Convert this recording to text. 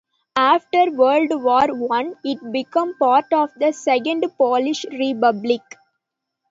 After World War One, it became part of the Second Polish Republic.